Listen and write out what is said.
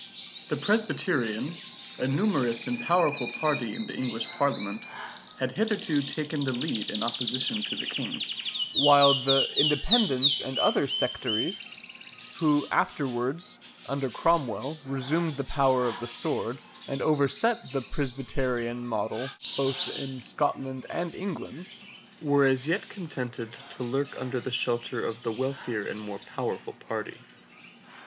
The Presbyterians, a numerous and powerful party in the English Parliament, had hitherto taken the lead in opposition to the King; while the Independents and other sectaries, who afterwards, under Cromwell, resumed the power of the sword, and overset the Presbyterian model both in Scotland and England, were as yet contented to lurk under the shelter of the wealthier and more powerful party.